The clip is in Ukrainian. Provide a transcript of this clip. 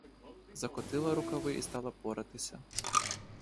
Закотила рукави й стала поратися.